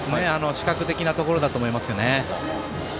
視覚的なところだと思います。